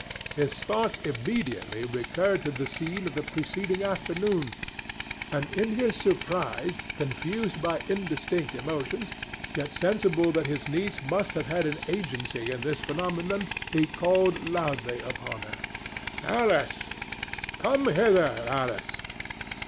His thoughts immediately recurred to the scene of the preceding afternoon, and in his surprise, confused by indistinct emotions, yet sensible that his niece must have had an agency in this phenomenon, he called loudly upon her: "Alice! Come hither, Alice!"